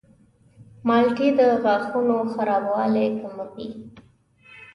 مالټې د غاښونو خرابوالی کموي.